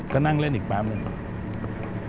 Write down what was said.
ก็นั่งเล่นอีกแป๊บหนึ่ง